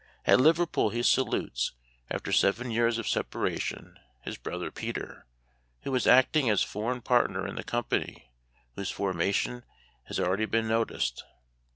At Liverpool he salutes, after seven years of separation, his brother Peter, who was acting as foreign partner in the company whose formation has been already noticed.